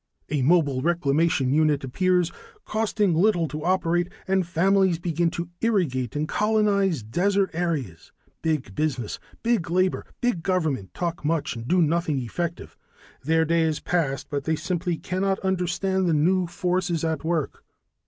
A mobile reclamation unit appears, costing little to operate, and families begin to irrigate and colonize desert areas. Big business, big labor, big government talk much and do nothing effective their day is past, but they simply cannot understand the new forces at work.